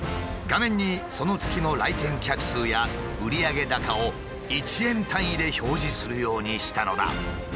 画面にその月の来店客数や売上高を１円単位で表示するようにしたのだ。